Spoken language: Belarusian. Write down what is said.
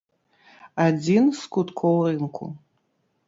Адзін з куткоў рынку.